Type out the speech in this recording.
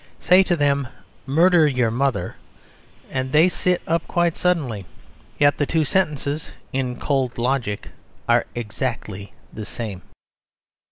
Say to them "Murder your mother," and they sit up quite suddenly. Yet the two sentences, in cold logic, are exactly the same.